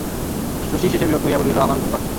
শশীই শেষে বিরক্ত হইয়া বলিল, আমার ঘুম পাচ্ছে।